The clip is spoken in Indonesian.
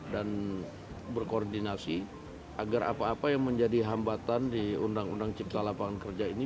dan berkoordinasi agar apa apa yang menjadi hambatan di undang undang cipta lapangan kerja ini